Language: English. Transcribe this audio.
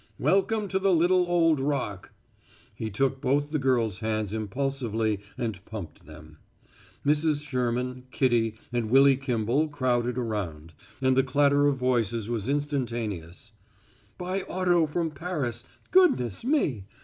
Welcome to the little old Rock!" He took both the girl's hands impulsively and pumped them. Mrs. Sherman, Kitty and Willy Kimball crowded around, and the clatter of voices was instantaneous: "By auto from Paris; goodness me!"